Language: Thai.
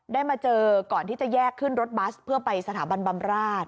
มาเจอก่อนที่จะแยกขึ้นรถบัสเพื่อไปสถาบันบำราช